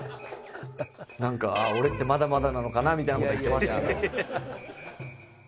「俺ってまだまだなのかな」みたいな事は言ってましたけど。